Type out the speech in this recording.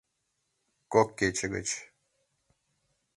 — Кок кече гыч.